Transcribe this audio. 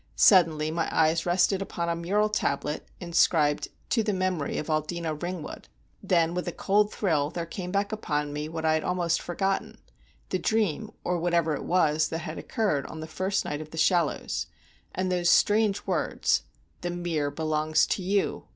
Suddenly my eyes rested upon a mural tablet, inscribed, "To the memory of Aldina Ringwood." Then with a cold thrill there came back upon me what I had almost forgotten, the dream, or whatever it was, that had occurred on that first night at The Shallows; and those strange words—"The Mere belongs to you.